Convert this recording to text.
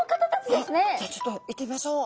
じゃあちょっと行ってみましょう。